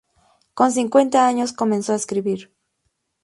Con cincuenta años comenzó a escribir.